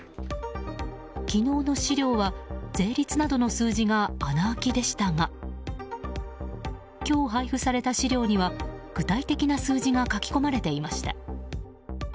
昨日の資料は税率などの数字が穴開きでしたが今日配布された資料には具体的な数字が書き込まれていました。